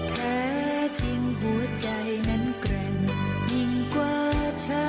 แท้จริงหัวใจนั้นแกร่งยิ่งกว่าเธอ